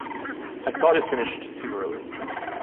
I thought it finished too early.